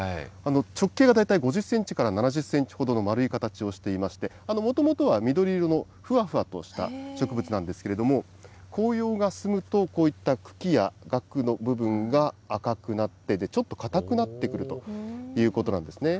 直径が大体、５０センチから７０センチほどの丸い形をしていまして、もともとは緑色のふわふわとした植物なんですけれども、紅葉が進むと、こういった茎やがくの部分が赤くなって、ちょっと硬くなってくるということなんですね。